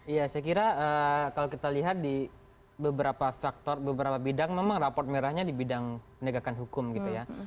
ya saya kira kalau kita lihat di beberapa faktor beberapa bidang memang rapot merahnya di bidang penegakan hukum gitu ya